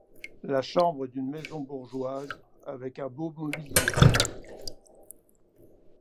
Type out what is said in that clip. La chambre d'une maison bourgeoise, avec un beau mobilier.